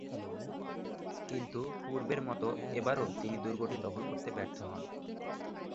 কিন্তু পূর্বের মতো এবারও তিনি দুর্গটি দখল করতে ব্যর্থ হন।